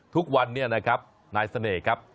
ทุกวันนี้นะครับนายเสน่ห์ครับ